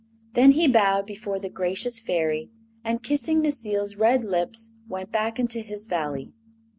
Then he bowed before the gracious Fairy and, kissing Necile's red lips, went back into his Valley.